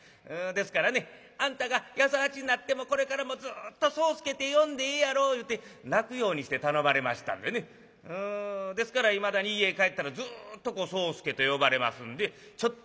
ですからねあんたが八十八になってもこれからもずっと宗助って呼んでええやろ言うて泣くようにして頼まれましたんでねですからいまだに家へ帰ったらずっと宗助と呼ばれますんでちょっとも慣れないんですね。